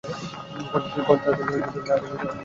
Concert আগামী শনিবার।